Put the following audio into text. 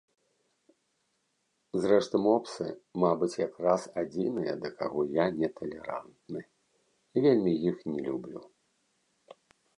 Зрэшты, мопсы, мабыць, якраз адзіныя, да каго я не талерантны, вельмі іх не люблю.